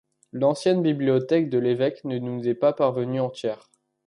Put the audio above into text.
L'ancienne bibliothèque de l'évêché ne nous est pas parvenue entière.